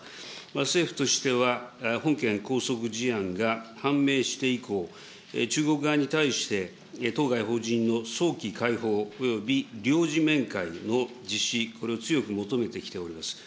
政府としては、本件拘束事案が判明して以降、中国側に対して、当該法人の早期解放および領事面会の実施、これを強く求めてきております。